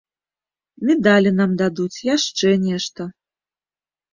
Медалі нам дадуць, яшчэ нешта.